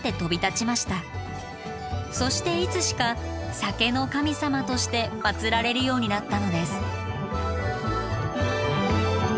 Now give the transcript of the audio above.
そしていつしか酒の神様として祀られるようになったのです。